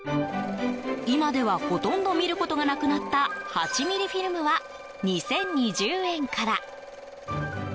今ではほとんど見ることがなくなった８ミリフィルムは２０２０円から。